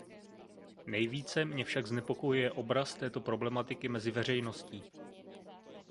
Nejvíce mě však znepokojuje obraz této problematiky mezi veřejností.